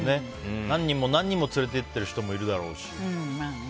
何人も何人も連れて行ってる人もいるだろうし。